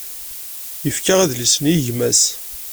Yefka adlis-nni i gma-s.